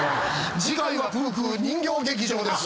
次回はプーク人形劇場です。